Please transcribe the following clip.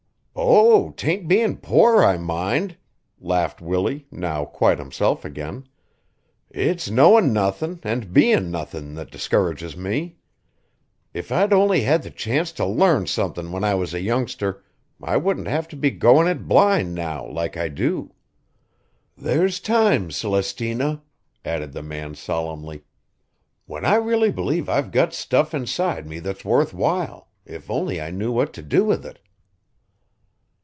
"Oh, 'taint bein' poor I mind," laughed Willie, now quite himself again. "It's knowin' nothin' an' bein' nothin' that discourages me. If I'd only had the chance to learn somethin' when I was a youngster I wouldn't have to be goin' it blind now like I do. There's times, Celestina," added the man solemnly, "when I really believe I've got stuff inside me that's worth while if only I knew what to do with it."